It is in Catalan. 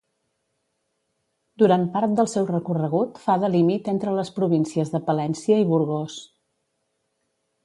Durant part del seu recorregut fa de límit entre les províncies de Palència i Burgos.